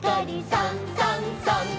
「さんさんさん」